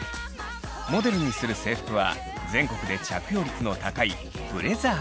モデルにする制服は全国で着用率の高いブレザーです。